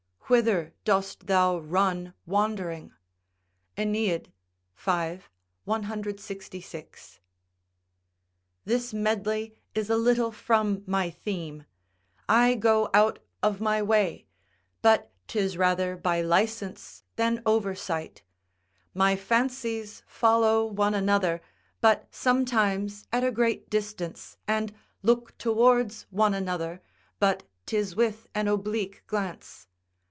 ["Whither dost thou run wandering?" AEneid, v. 166.] This medley is a little from my theme; I go out of my way; but 'tis rather by licence than oversight; my fancies follow one another, but sometimes at a great distance, and look towards one another, but 'tis with an oblique glance.